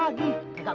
ambil ini seuai